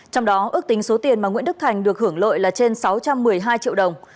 trong đó ước tính số tiền mà nguyễn đức thành được hưởng lợi là trên sáu trăm một mươi hai triệu đồng